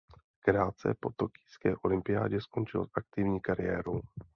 Krátce po tokijské olympiádě skončil s aktivní kariérou.